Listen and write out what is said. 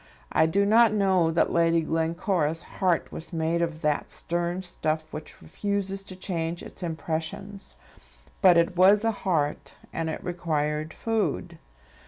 I do not know that Lady Glencora's heart was made of that stern stuff which refuses to change its impressions; but it was a heart, and it required food.